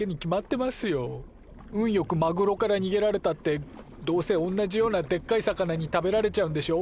運よくマグロからにげられたってどうせおんなじようなでっかい魚に食べられちゃうんでしょ？